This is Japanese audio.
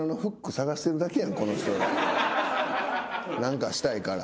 何かしたいから。